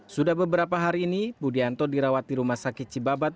sudah beberapa hari ini budianto dirawat di rumah sakit cibabat